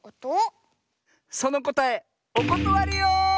そのこたえおことわりよ！